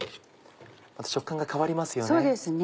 食感が変わりますよね。